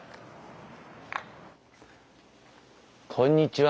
こんにちは。